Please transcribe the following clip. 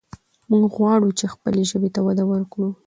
موږ غواړو چې خپلې ژبې ته وده ورکړو.